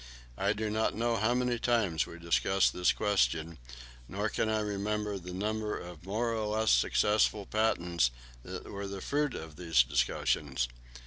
I do not know how many times we discussed this question, nor can I remember the number of more or less successful patents that were the fruit of these discussions.